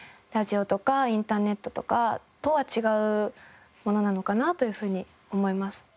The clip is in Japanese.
ラジオとかインターネットとかとは違うものなのかなというふうに思います。